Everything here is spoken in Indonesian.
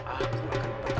aku akan menangkan